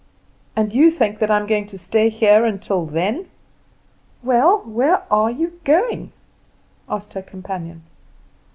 "And you think that I am going to stay here till then?" "Well, where are you going?" asked her companion.